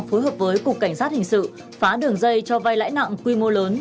phối hợp với cục cảnh sát hình sự phá đường dây cho vai lãi nặng quy mô lớn